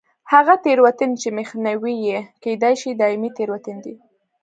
هغه تېروتنې چې مخنیوی یې کېدای شي دایمي تېروتنې دي.